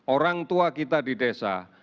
orang tua kita di desa